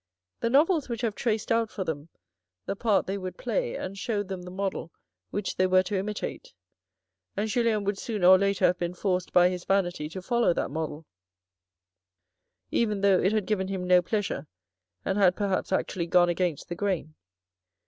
The novels which have traced out for them the part they would play, and showed them the model which they were to imitate, and Julien would sooner or later have been forced by his vanity to follow that model, even though it had given him no pleasure and had perhaps actually gone against the grain.